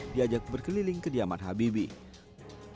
di ajak berkeliling kediaman habibie